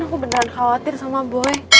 aku beneran khawatir sama boy